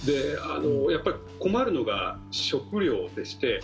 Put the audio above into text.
やっぱり困るのが食料でして。